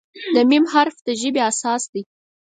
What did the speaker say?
د "م" حرف د ژبې اساس دی.